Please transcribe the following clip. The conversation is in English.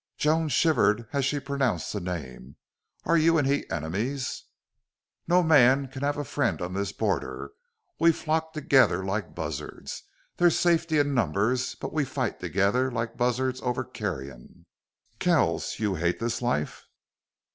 Joan shivered as she pronounced the name. "Are you and he enemies?" "No man can have a friend on this border. We flock together like buzzards. There's safety in numbers, but we fight together, like buzzards over carrion." "Kells, you hate this life?"